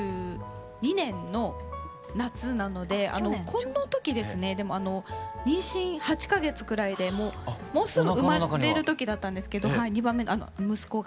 この時ですねでも妊娠８か月くらいでもうすぐ生まれる時だったんですけど２番目のあの息子が。